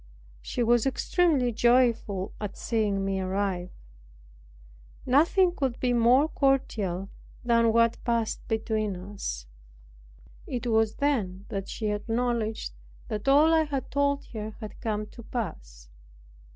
She was extremely joyful at seeing me arrive. Nothing could be more cordial than what passed between us. It was then that she acknowledged that all I had told her had come to pass.